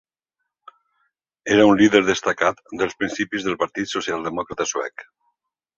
Era un líder destacat dels principis del Partit Socialdemòcrata Suec.